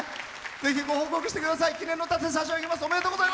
ぜひ報告してください。